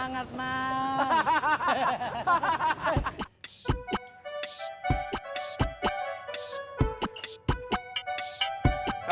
dengar kata gua